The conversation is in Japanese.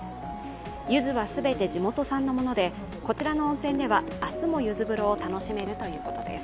ゆずは全て地元産のものでこちらの温泉では、明日もゆず風呂を楽しめるということです。